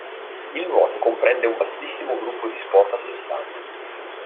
Il nuoto comprende un vastissimo gruppo di sport a sé stanti.